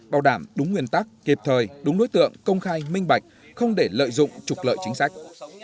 bảo đảm đúng nguyên tắc kịp thời đúng đối tượng công khai minh bạch không để lợi dụng trục lợi chính sách